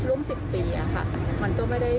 มันก็ไม่ได้มีควรเชิดแค่พี่ทำงานแค่นั้น